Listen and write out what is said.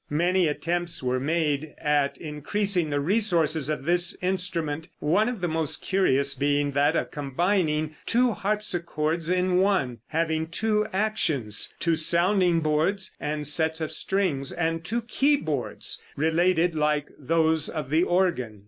Many attempts were made at increasing the resources of this instrument, one of the most curious being that of combining two harpsichords in one, having two actions, two sounding boards and sets of strings, and two keyboards related like those of the organ.